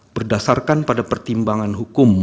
berdasarkan pada pertimbangan hukum